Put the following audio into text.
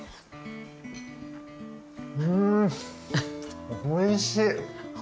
うんおいしい！